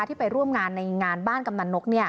ที่ไปร่วมงานในงานบ้านกำนันนก